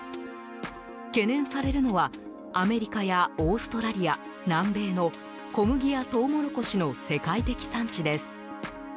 懸念されるのはアメリカやオーストラリア南米の小麦やトウモロコシの世界的産地です。